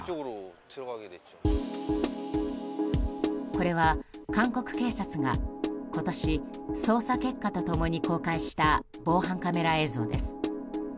これは韓国警察が今年、捜査結果と共に公開した防犯カメラ映像です。